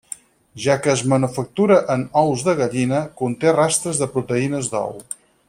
Ja que es manufactura en ous de gallina, conté rastres de proteïnes d'ou.